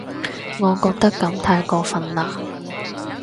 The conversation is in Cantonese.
我覺得噉太過份喇